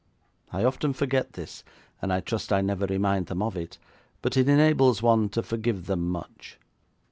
I often forget this, and I trust I never remind them of it, but it enables one to forgive them much.